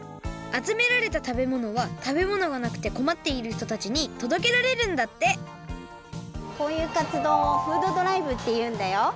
あつめられた食べ物は食べ物がなくてこまっているひとたちにとどけられるんだってこういうかつどうをフードドライブっていうんだよ。